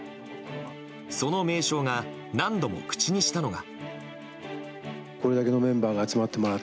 その名将が何度も口にしたのが。